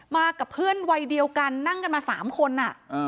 กับเพื่อนวัยเดียวกันนั่งกันมา๓คน